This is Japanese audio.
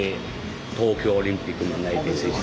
東京オリンピックの内定選手。